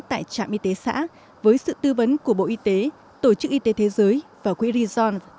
tại trạm y tế xã với sự tư vấn của bộ y tế tổ chức y tế thế giới và quỹ resezon